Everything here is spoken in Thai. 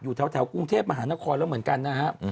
อยู่แถวกรุงเทพมหานครแล้วเหมือนกันนะครับ